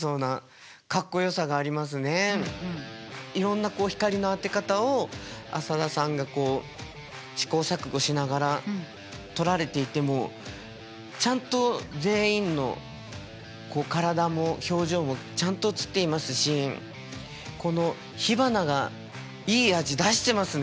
いろんな光の当て方を浅田さんがこう試行錯誤しながら撮られていてもちゃんと全員の体も表情もちゃんと写っていますしこの火花がいい味出してますね。